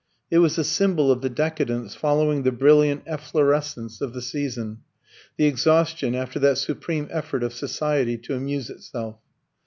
It was the symbol of the decadence following the brilliant efflorescence of the season, the exhaustion after that supreme effort of Society to amuse itself.